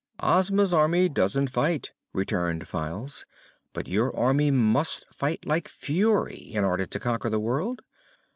"Ozma's army doesn't fight," returned Files; "but your army must fight like fury in order to conquer the world.